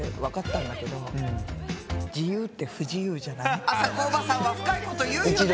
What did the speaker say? あとねあさこおばさんは深いこと言うよね。